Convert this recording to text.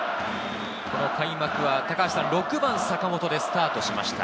この開幕は６番・坂本でスタートしました。